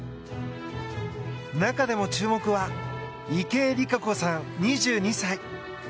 中でも注目は池江璃花子さん、２２歳。